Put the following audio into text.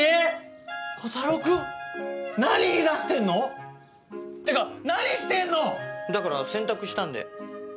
炬太郎くん何言いだしてんの？ってか何してんの⁉だから洗濯したんで。